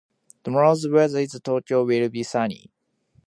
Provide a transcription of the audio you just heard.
Tomorrow's weather in Tokyo will be sunny.